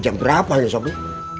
jam berapa ya sobri